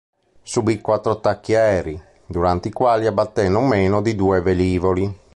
Subì quattro attacchi aerei, durante i quali abbatté non meno di due velivoli.